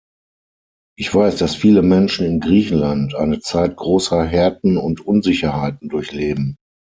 Ich weiß, dass viele Menschen in Griechenland eine Zeit großer Härten und Unsicherheiten durchleben.